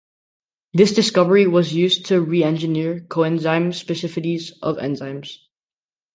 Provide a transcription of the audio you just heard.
This discovery was used to re-engineer coenzyme specificities of enzymes.